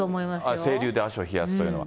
清流で足を冷やすというのは。